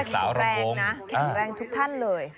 แข็งแรงนะแข็งแรงทุกท่านเลย